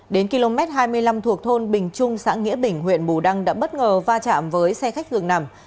đến km hai mươi năm thuộc thôn bình trung xã nghĩa bình huyện bù đăng đã bất ngờ va chạm với xe khách dường nằm